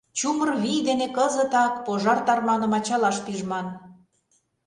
Чумыр вий дене кызытак пожар тарманым ачалаш пижман.